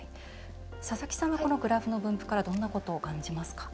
佐々木さんはグラフの分布からどんなことを感じますか？